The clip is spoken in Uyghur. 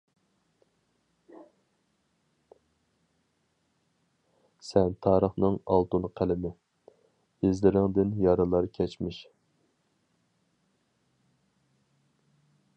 سەن تارىخنىڭ ئالتۇن قەلىمى، ئىزلىرىڭدىن يارىلار كەچمىش.